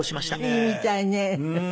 いいみたいね。